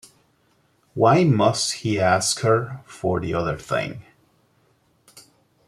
Why must he ask her for the other thing?